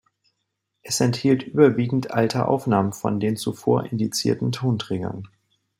Es enthielt überwiegend alte Aufnahmen von den zuvor indizierten Tonträgern.